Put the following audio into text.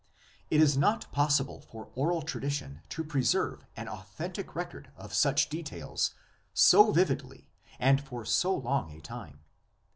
It is not possible for oral tradition to preserve an authentic record of such details so vividly and for so long a time.